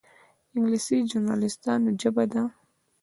انګلیسي د ژورنالېستانو ژبه ده